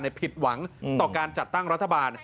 ผิดหวังต่อการจัดตั้งรัฐบาล